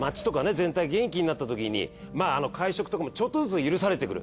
全体元気になったときに会食とかもちょっとずつ許されてくる。